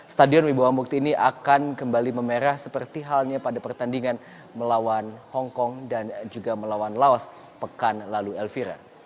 stadion wibawa mukti ini akan kembali memerah seperti halnya pada pertandingan melawan hongkong dan juga melawan laos pekan lalu elvira